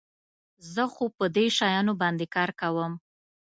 زه خو په دې شیانو باندي کار کوم.